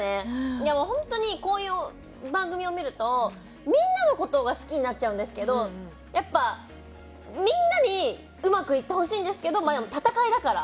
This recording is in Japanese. いやもうホントにこういう番組を見るとみんなの事が好きになっちゃうんですけどやっぱみんなにうまくいってほしいんですけどまあでも戦いだから。